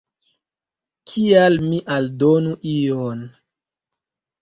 Kial mi aldonu ion.